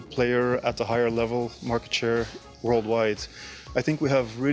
target pasar global untuk produk baru adalah menjadi pemain global di tahap yang lebih tinggi di pasar global